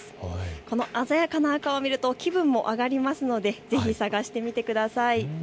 この鮮やかな赤を見ると気分も上がりますのでぜひ探してみてください。